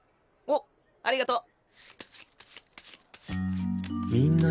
おっありがとう。